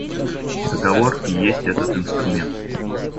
Договор и есть этот инструмент.